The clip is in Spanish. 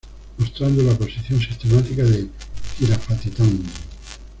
Mostrando la posición sistemática de "Giraffatitan".